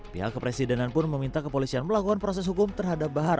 pihak kepresidenan pun meminta kepolisian melakukan proses hukum terhadap bahar